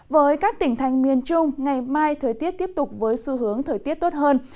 với các tỉnh thành miền trung ngày mai thời tiết tiếp tục với xu hướng thời tiết tốt hơn